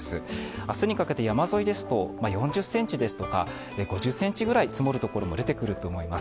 明日にかけて山沿いですと４０ｃｍですとか５０ｃｍ、積もるところも出てくると思います。